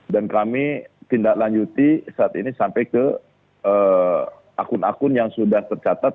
dan kami tindak lanjuti saat ini sampai ke akun akun yang sudah tercatat